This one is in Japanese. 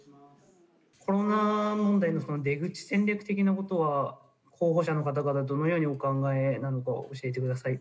コロナ問題の出口戦略的なことは、候補者の方々、どのようにお考えなのかを教えてください。